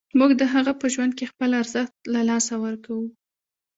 موږ د هغه په ژوند کې خپل ارزښت له لاسه ورکوو.